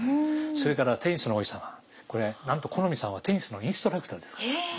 それから「テニスの王子様」。これなんと許斐さんはテニスのインストラクターですから。